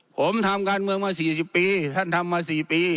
ผมทำการเมืองมา๔๐ปีท่านทำมา๔ปี